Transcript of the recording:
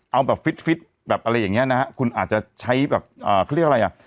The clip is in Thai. เอาแบบฟิตฟิตแบบอะไรอย่างเงี้นะฮะคุณอาจจะใช้แบบอ่าเขาเรียกอะไรอ่ะ